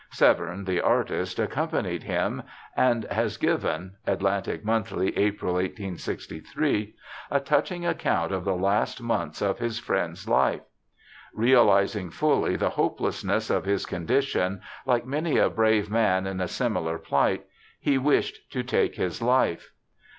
Severn, the artist, accompanied him, and has given {Atlantic Monthly, April, 1863) a touching account of the last months of his friend's life. Realizing fully the hopelessness of his condition, like many a brave man in a similar plight, he wished to take his life.